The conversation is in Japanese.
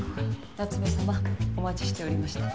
夏目様お待ちしておりました。